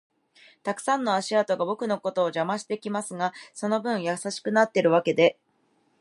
たくさんの足跡が僕のことを邪魔してきますが、その分優しくなってるわけで